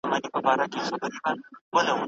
ګلونه د ښکلا لپاره دي مه یې شکولو.